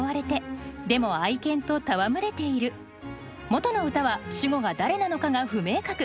もとの歌は主語が誰なのかが不明確。